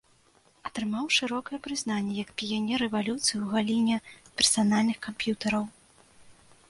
Атрымаў шырокае прызнанне як піянер рэвалюцыі ў галіне персанальных камп'ютараў.